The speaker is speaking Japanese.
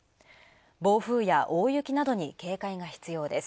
暴風や大雪などに警戒が必要です。